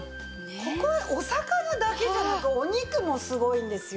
ここはお魚だけじゃなくお肉もすごいんですよ。